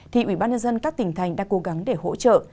thì ủy ban nhân dân các tỉnh thành đang cố gắng để hỗ trợ